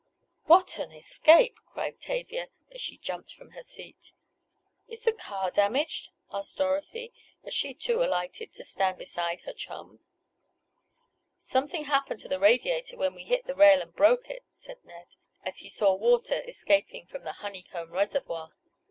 "What an escape!" cried Tavia as she jumped from her seat. "Is the car damaged?" asked Dorothy, as she too alighted to stand beside her chum. "Something happened to the radiator when we hit the rail and broke it," said Ned, as he saw water escaping from the honey comb reservoir.